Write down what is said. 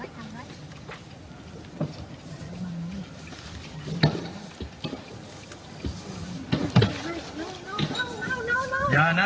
กันกัน